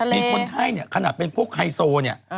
มีคนไข้เนี่ยขนาดเป็นพวกไฮโซเนี่ย